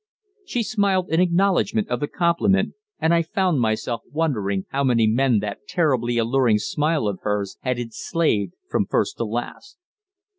She smiled in acknowledgment of the compliment, and I found myself wondering how many men that terribly alluring smile of hers had enslaved from first to last.